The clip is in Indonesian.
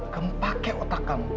kempakai otak kamu